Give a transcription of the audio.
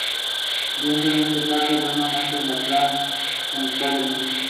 Más tarde fue estrella invitada en los programas de televisión "Mr.